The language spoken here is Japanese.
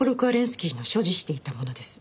スキーの所持していたものです。